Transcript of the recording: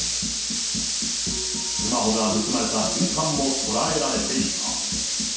スマホが盗まれた瞬間も捉えられていた。